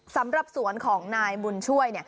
สำหรับสวนของนายบุญช่วย